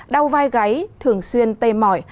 đau vai gáy thường xuyên tê mỏi